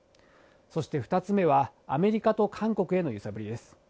そして２つ目は、アメリカと韓国への揺さぶりです。